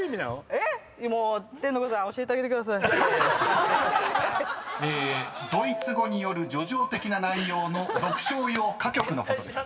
［えドイツ語による抒情的な内容の独唱用歌曲のことです］